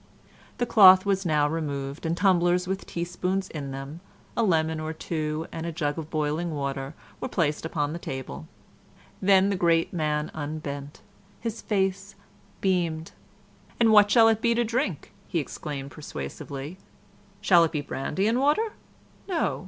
The cloth was now removed and tumblers with teaspoons in them, a lemon or two and a jug of boiling water were placed upon the table. Then the great man unbent. His face beamed. "And what shall it be to drink?" he exclaimed persuasively. "Shall it be brandy and water? No.